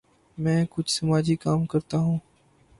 میں کچھ سماجی کام کرتا ہوں۔